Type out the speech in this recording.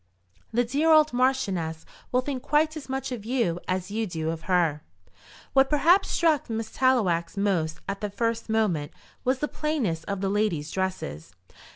The dear old marchioness will think quite as much of you as you do of her." What perhaps struck Miss Tallowax most at the first moment was the plainness of the ladies' dresses.